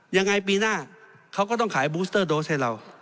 ยังไงปีหน้าเขาก็ต้องขายบูสเตอร์โดสให้เรา